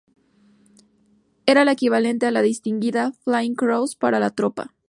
Era la equivalente a la Distinguida Flying Cross para la tropa.